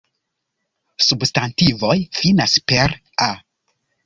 Substantivoj finas per -a.